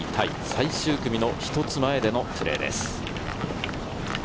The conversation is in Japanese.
最終組の一つ前でのプレーです。